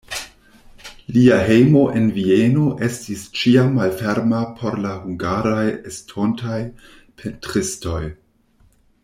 Lia hejmo en Vieno estis ĉiam malferma por la hungaraj estontaj pentristoj.